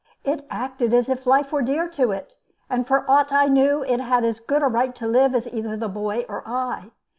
It acted as if life were dear to it, and for aught I knew it had as good a right to live as either the boy or I.